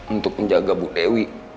untuk menjaga bu dewi